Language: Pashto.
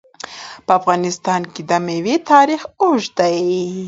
په افغانستان کې د مېوې تاریخ اوږد دی.